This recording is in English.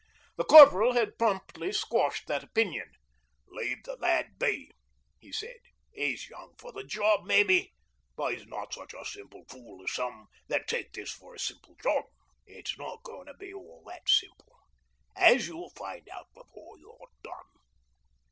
The Corporal had promptly squashed that opinion. 'Leave the lad be,' he said. 'He's young to the job, mebbe, but he's not such a simple fool as some that take this for a simple job. It's not goin' to be all that simple, as you'll find before you're done.'